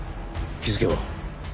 日付は？